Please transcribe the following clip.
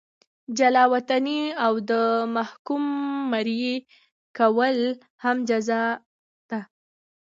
جلا وطني او د محکوم مریي کول هم جزا ده.